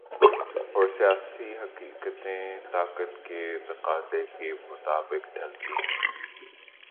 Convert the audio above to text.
اور یہ سیاسی حقیقتیں طاقت کے تقاضوں کے مطابق ڈھلتی ہیں۔